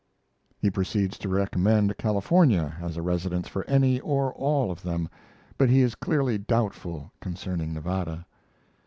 He proceeds to recommend California as a residence for any or all of them, but he is clearly doubtful concerning Nevada.